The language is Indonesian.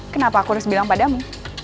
kenapa aku harus bilang padamu